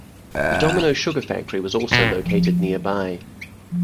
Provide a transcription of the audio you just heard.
The Domino Sugar factory was also located nearby.